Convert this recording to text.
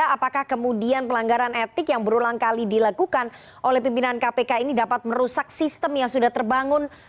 apakah kemudian pelanggaran etik yang berulang kali dilakukan oleh pimpinan kpk ini dapat merusak sistem yang sudah terbangun